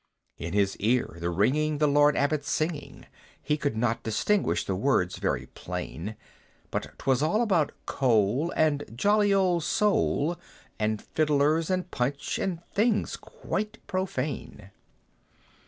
In his ear was ringing the Lord Abbot singing He could not distinguish the words very plain, But 'twas all about "Cole," and "jolly old Soul," And "Fiddlers," and "Punch," and things quite as profane.